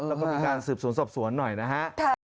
แล้วก็มีการสืบสวนสอบสวนหน่อยนะฮะ